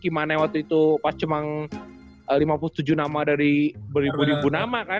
gimana waktu itu pas cuman lima puluh tujuh nama dari beribu ribu nama kan